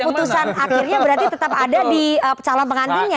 keputusan akhirnya berarti tetap ada di calon pengantinnya